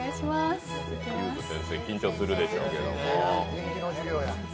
ゆーづ先生、緊張するでしょうけども。